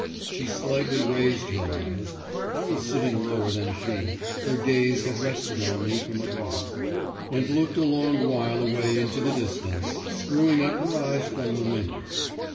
she slightly raised her eyes (I was sitting lower than she; her gaze had rested on me from above) and looked a long while away into the distance, screwing up her eyes from the wind.